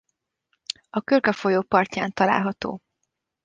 A Krka folyó partján található.